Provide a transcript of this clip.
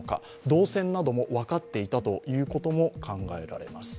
動線なども分かっていたということも考えられます。